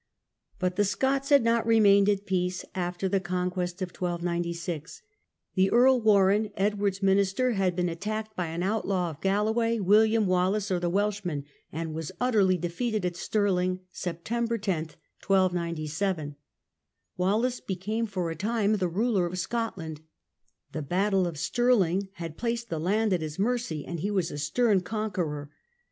But the Scots had not remained at peace after the conquest of 1 296. The Earl Warenne, Edward's minister, had been attacked by an outlaw of Galloway, William Wallace (or the Welsh man), and was utterly defeated at Stirling, September 10, 1297. Wallace became for a time the ruler of Scotland; the battle of Stirling had placed the land at his mercy, and he was a stern conqueror.